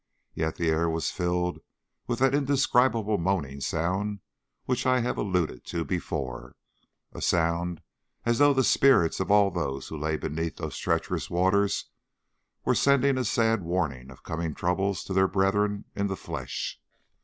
Yet the air was filled with that indescribable moaning sound which I have alluded to before a sound as though the spirits of all those who lay beneath those treacherous waters were sending a sad warning of coming troubles to their brethren in the flesh.